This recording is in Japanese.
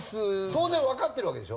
当然わかってるわけでしょ？